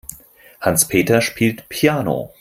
Hans-Peter spielt Piano.